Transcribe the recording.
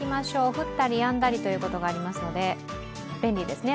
降ったりやんだりということがありますので、便利ですよね